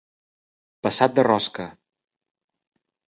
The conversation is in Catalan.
Passat de rosca.